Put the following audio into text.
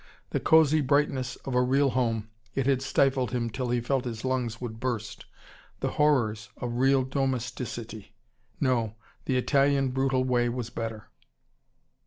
The cosy brightness of a real home it had stifled him till he felt his lungs would burst. The horrors of real domesticity. No, the Italian brutal way was better.